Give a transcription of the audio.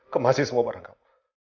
kemahasi semua barang kamu